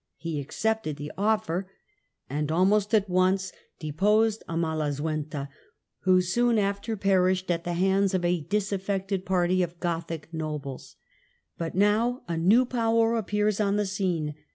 He accepted the offer, and almost at once deposed Amalasuentha, who soon after perished at the hands of a disaffected party of Gothic nobles, imperial But now a new power appears on the scene.